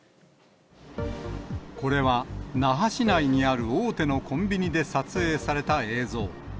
これは、那覇市内にある大手のコンビニで撮影された映像。